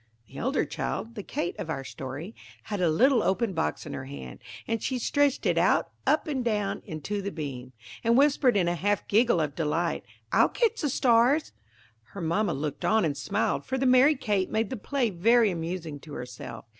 The elder child, the Kate of our story, had a little open box in her hand, and she stretched it out, up and down, into the beam, and whispered in a half giggle of delight, "I'll catch the stars." Her mamma looked on and smiled, for the merry Kate made the play very amusing to herself.